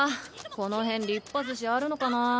この辺「りっぱ寿司」あるのかなぁ？